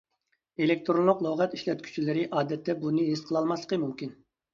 ئېلېكتىرونلۇق لۇغەت ئىشلەتكۈچىلىرى ئادەتتە بۇنى ھېس قىلالماسلىقى مۇمكىن.